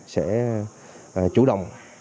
sẽ chủ động